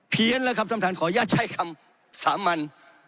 แล้วครับท่านท่านขออนุญาตใช้คำสามัญ